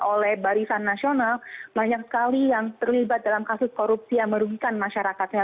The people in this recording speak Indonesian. oleh barisan nasional banyak sekali yang terlibat dalam kasus korupsi yang merugikan masyarakatnya